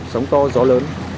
sóng to gió lớn